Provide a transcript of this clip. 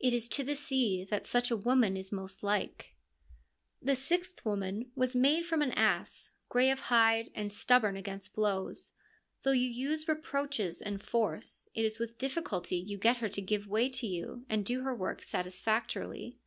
It is to the sea that such a woman is most like> The sixth woman was made from an ass, grey of hide and stubborn against blows. Though you use re proaches and force, it is with difficulty you get her to give way to you and do her work satisfactorily.